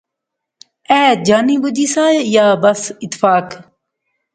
ایہہ جانی بجی سا یا بس اتفاق